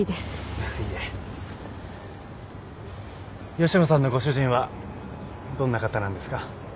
吉野さんのご主人はどんな方なんですか？